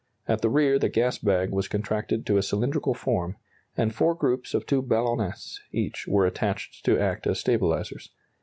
At the rear the gas bag was contracted to a cylindrical form, and four groups of two ballonnets each were attached to act as stabilizers.